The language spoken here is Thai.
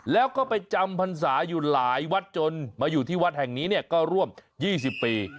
แล้วก็ไปจำพรรษาอยู่หลายวัดจนมาอยู่ที่วัดแห่งนี้เนี่ยก็ร่วม๒๐ปี